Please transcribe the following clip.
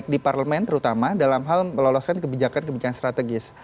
di parlemen terutama dalam hal meloloskan kebijakan kebijakan strategis